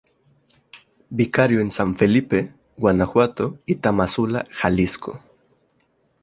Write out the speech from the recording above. Vicario en San Felipe, Guanajuato; y Tamazula, Jalisco.